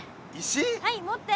はい持って。